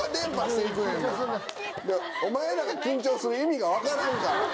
お前らが緊張する意味が分からんから。